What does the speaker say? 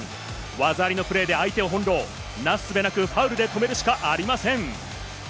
技ありのプレーで相手を翻弄、為す術なくファウルで止めるしかありません。